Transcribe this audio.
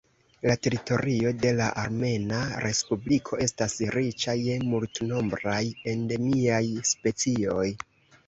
La teritorio de la Armena Respubliko estas riĉa je multnombraj endemiaj specioj.